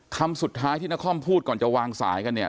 คำสุดท้ายที่นครพูดก่อนจะวางสายกันเนี่ย